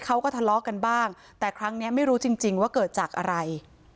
เขาก็ทะเลาะกันบ้างแต่ครั้งนี้ไม่รู้จริงว่าเกิดจากอะไร